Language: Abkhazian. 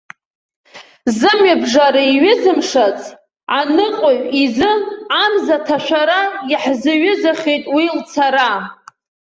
Зымҩабжара еиҩызымшац аныҟәаҩ изы амза аҭашәара иаҳзаҩызахеит уи лцара.